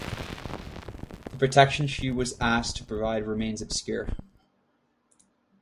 The protection she was asked to provide remains obscure.